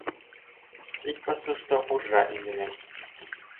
Ик пасушто — уржа ӱдымӧ.